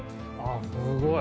すごい。